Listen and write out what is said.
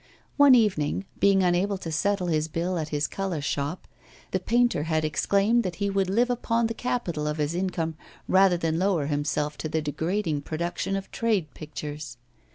One evening, being unable to settle his bill at his colour shop, the painter had exclaimed that he would live upon the capital of his income rather than lower himself to the degrading production of trade pictures.